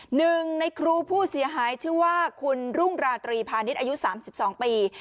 หนึ่งในครูผู้เสียหายชื่อว่าคุณรุ่งราตรีพาณิชย์อายุ๓๒ปี